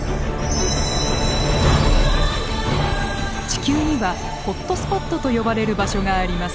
地球にはホットスポットと呼ばれる場所があります。